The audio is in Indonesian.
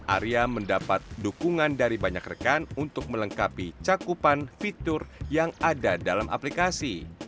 arya mendapat dukungan dari banyak rekan untuk melengkapi cakupan fitur yang ada dalam aplikasi